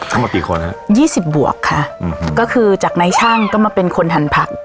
ทำมากี่คนฮะยี่สิบบวกค่ะอืมก็คือจากนายช่างก็มาเป็นคนทานผัก